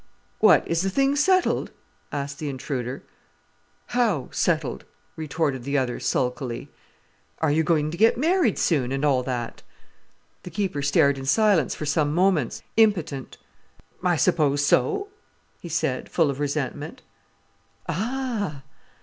"What, is the thing settled?" asked the intruder. "How, settled?" retorted the other sulkily. "Are you going to get married soon, and all that?" The keeper stared in silence for some moments, impotent. "I suppose so," he said, full of resentment. "Ah!"